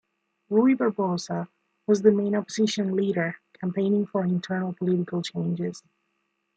Ruy Barbosa was the main opposition leader, campaigning for internal political changes.